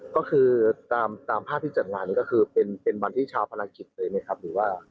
ก็คือตามภาพที่จัดงานนี้ก็คือเป็นวันที่ชาวภารกิจเลยไหมครับหรือว่า